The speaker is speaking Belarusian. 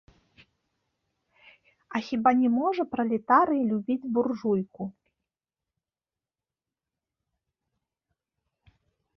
І хіба не можа пралетарый любіць буржуйку?